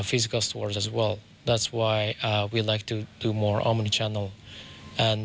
เพราะฉะนั้นเราอยากทำออมนิชันเทอร์มากขึ้น